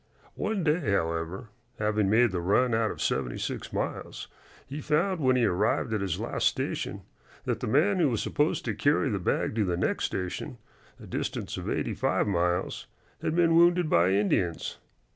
One day, however, having made the run out of seventy six miles, he found, when he arrived at his last station, that the man who was supposed to carry the bag to the next station, a distance of eighty five miles, had been wounded by Indians.